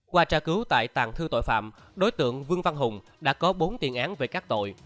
qua tra cứu tại tàn thư tội phạm đối tượng vương văn hùng đã có bốn tiền án về các tội